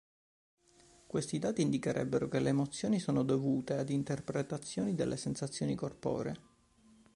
Questi dati indicherebbero che le emozioni sono dovute ad interpretazioni delle sensazioni corporee.